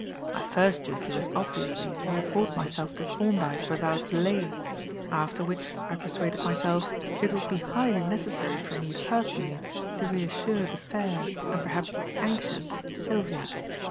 My first duty was obviously to report myself to Thorndyke without delay; after which, I persuaded myself, it would be highly necessary for me personally to re assure the fair, and, perhaps, anxious Sylvia.